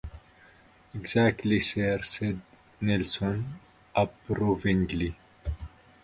"Exactly, sir," said Nelson, approvingly.